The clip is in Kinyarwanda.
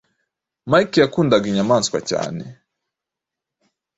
Mike yakundaga inyamaswa cyane.